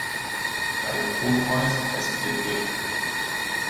Bei "Proteus" spp.